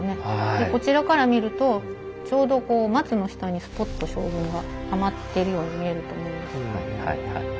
でこちらから見るとちょうどこう松の下にスポッと将軍がはまってるように見えると思うんですがえ！